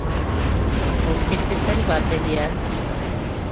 Тый секретарь вате лият...